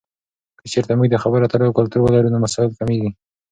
که چیرته موږ د خبرو اترو کلتور ولرو، نو مسایل کمېږي.